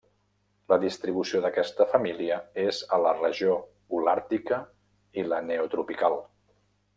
La distribució d'aquesta família és a la regió holàrtica i la neotropical.